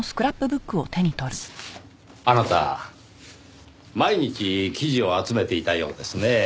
あなた毎日記事を集めていたようですねぇ。